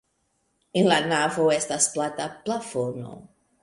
En la navo estas plata plafono.